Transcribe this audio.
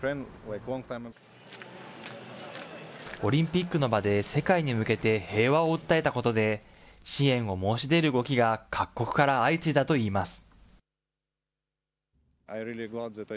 オリンピックの場で世界に向けて平和を訴えたことで、支援を申し出る動きが各国から相次いだといいます。